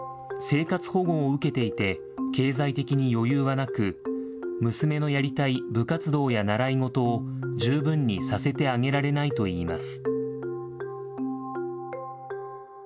生活保護を受けていて、経済的に余裕はなく、娘のやりたい部活動や習い事を十分にさせてあげられないといいます。